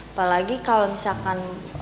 apalagi kalau misalkan